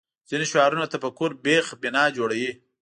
ځینې شعارونه تفکر بېخ بنا جوړوي